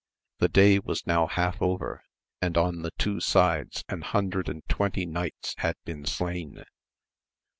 The day was now half over, and on the two sides an hundred and twenty knights had been slain.